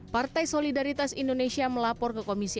partai solidaritas indonesia melapor ke komisi